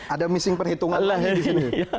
ada missing perhitungan lagi di sini